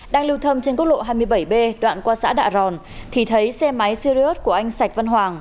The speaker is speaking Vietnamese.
đang lưu thông trên quốc lộ hai mươi bảy b đoạn qua xã đạ ròn thì thấy xe máy sirius của anh sạch văn hoàng